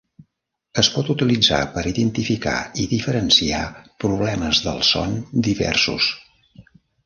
Es pot utilitzar per identificar i diferenciar problemes del son diversos.